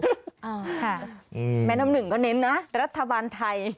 แม่น้ำหนึ่งก็เน้นนะรัฐบาลไทย